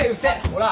ほら。